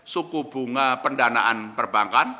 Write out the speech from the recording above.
suku bunga pendanaan perbankan